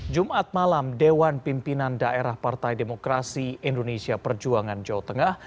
jumat malam dewan pimpinan daerah partai demokrasi indonesia perjuangan jawa tengah